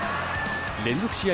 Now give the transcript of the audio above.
連続試合